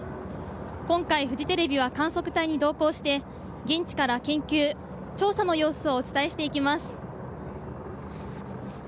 今回、フジテレビは観測隊に同行して現地から、研究・調査の様子をお伝えしていきます。